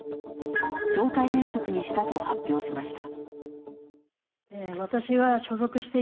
懲戒免職にしたと発表しました。